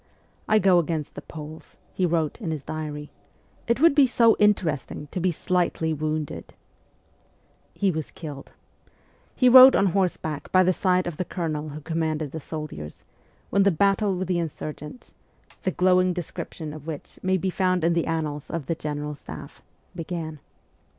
' I go against the Poles,' he wrote in his diary ;' it would be so interesting to be slightly wounded !' He was killed. He rode on horseback by the side of the Colonel who commanded the soldiers, when ' the battle with the insurgents ' the glowing description of which may be found in the annals of the General Staff began.